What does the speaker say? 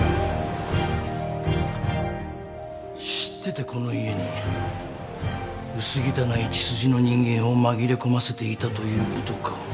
知っててこの家に薄汚い血筋の人間を紛れ込ませていたということか？